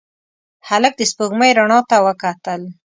هلک د سپوږمۍ رڼا ته وکتل.